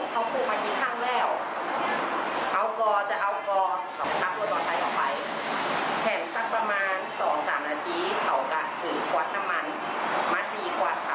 แถมสักประมาณ๒๓นาที